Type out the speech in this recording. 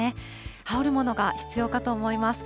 羽織る物が必要かと思います。